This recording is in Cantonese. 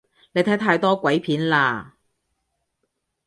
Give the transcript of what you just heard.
你睇太多鬼片喇